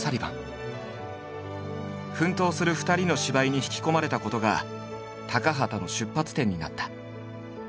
奮闘する２人の芝居に引き込まれたことが高畑の出発点になった。